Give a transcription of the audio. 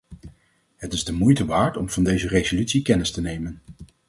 Het is de moeite waard om van deze resolutie kennis te nemen.